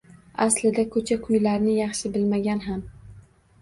Aslida ko‘cha-ko‘ylarni yaxshi bilmagan ham.